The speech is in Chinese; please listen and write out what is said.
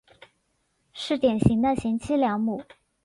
是典型的贤妻良母。